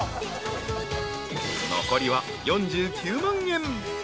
［残りは４９万円］